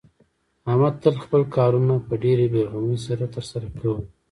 احمد تل خپل کارونه په ډېرې بې غمۍ سره ترسره کوي.